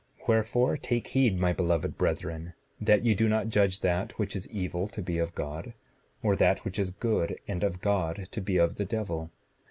7:14 Wherefore, take heed, my beloved brethren, that ye do not judge that which is evil to be of God, or that which is good and of God to be of the devil.